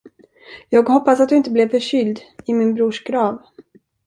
Jag hoppas du inte blev förkyld i min brors grav.